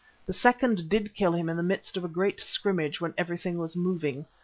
The second did kill him in the midst of a great scrimmage when everything was moving.